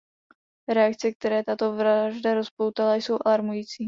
Reakce, které tato vražda rozpoutala, jsou alarmující.